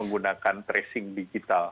menggunakan tracing digital